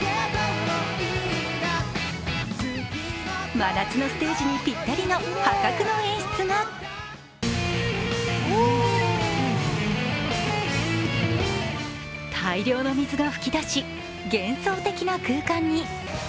真夏のステージにぴったりの破格の演出が大量の水が噴き出し、幻想的な空間に。